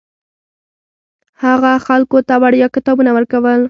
هغه خلکو ته وړیا کتابونه ورکول.